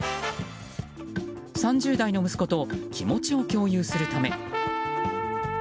３０代の息子と気持ちを共有するため。